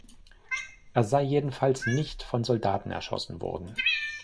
Er sei jedenfalls nicht von Soldaten erschossen worden.